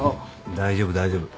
大丈夫大丈夫。